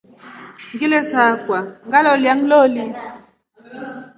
Ngile saakwa ngalolia nloli.